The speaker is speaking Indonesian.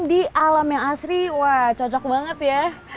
di alam yang asri wah cocok banget ya